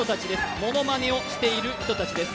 ものまねをしている人たちです。